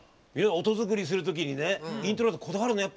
音作りするときにイントロって、こだわるの？